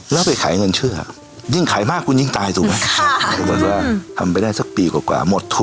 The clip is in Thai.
แล้วแบบนั้นคือเลือกเลยหรอคะ